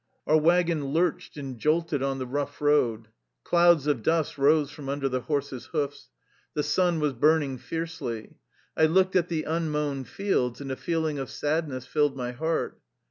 Our wagon lurched and jolted on the rough road. Clouds of dust rose from under the horse's hoofs. The sun was burning fiercely. I looked at the unmown fields, and a feeling of sadness filled my heart.